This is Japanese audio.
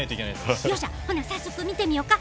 ほな、早速見てみようか。